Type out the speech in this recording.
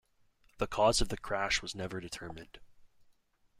The cause of the crash was never determined.